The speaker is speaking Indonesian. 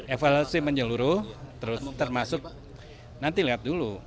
evaluasi menyeluruh terus termasuk nanti lihat dulu